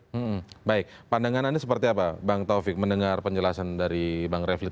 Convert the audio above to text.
hmm baik pandangan anda seperti apa bang taufik mendengar penjelasan dari bang refli